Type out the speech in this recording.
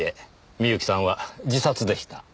美由紀さんは自殺でした。